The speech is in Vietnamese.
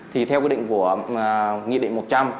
thì theo quy định của nghị định một trăm linh